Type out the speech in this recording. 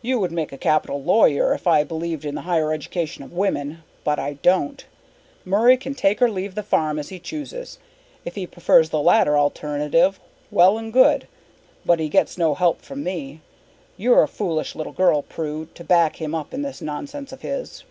You would make a capital lawyer, if I believed in the higher education of women, but I don't. Murray can take or leave the farm as he chooses. If he prefers the latter alternative, well and good. But he gets no help from me. You're a foolish little girl, Prue, to back him up in this nonsense of his."